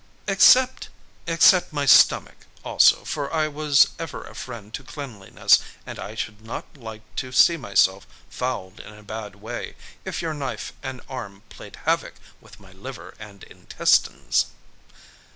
"Except except my stomach also, for I was ever a friend to cleanliness, and I should not like to see myself fouled in a bad way, if your knife and arm played havoc with my liver and intestines."